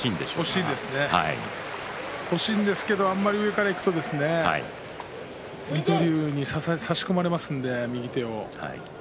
欲しいですね欲しいんですけどあんまり上からいくと水戸龍に差し込まれますので、右手を。